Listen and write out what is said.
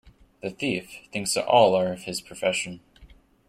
The thief thinks that all are of his profession.